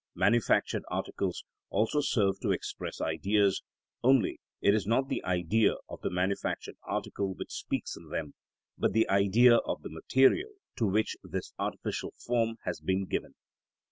Manufactured articles also serve to express Ideas, only it is not the Idea of the manufactured article which speaks in them, but the Idea of the material to which this artificial form has been given.